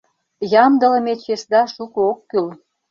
Ямдылыме чесда шуко ок кӱл